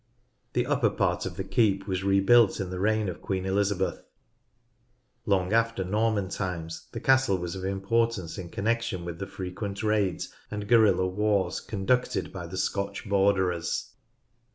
The upper part of the keep was rebuilt in the reign of Queen Elizabeth. Long after Norman times the castle was of importance in connection with the frequent raids and guerrilla wars conducted by the Scotch borderers.